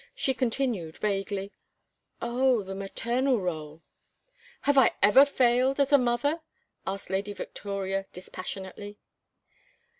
She continued, vaguely, "Oh, the maternal rôle " "Have I ever failed as a mother?" asked Lady Victoria, dispassionately.